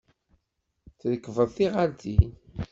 Trekbeḍ tiɣaltin.